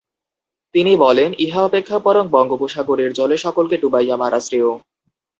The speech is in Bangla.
তিনি বলেন, ইহা অপেক্ষা বরং বঙ্গোপসাগরের জলে সকলকে ডুবাইয়া মারা শ্রেয়ঃ।